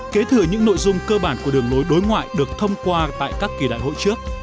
kế thừa những nội dung cơ bản của đường lối đối ngoại được thông qua tại các kỳ đại hội trước